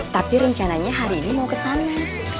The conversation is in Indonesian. tapi rencananya hari ini mau kesana